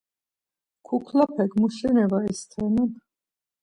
Kuklapek muşeni var isternan?